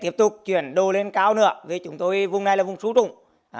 tiếp tục chuyển đồ lên cao nữa vì chúng tôi vùng này là vùng xú trụng